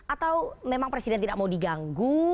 atau memang presiden tidak mau diganggu